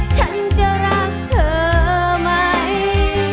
ฉันจะรักเธอไหม